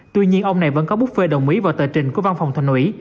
tuy nhiên ông này vẫn có bút phê đồng ý vào tờ trình của văn phòng thành ủy